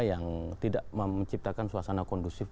yang tidak menciptakan suasana kondusif